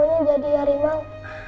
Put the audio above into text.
aku maunya jadi harimau